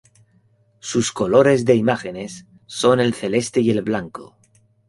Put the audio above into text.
Sus colores de imágenes son el celeste y el blanco.